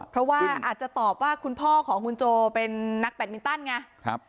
เพราะว่าอาจจะตอบว่าคุณพ่อของคุณโจเป็นนักแบตมินตันไง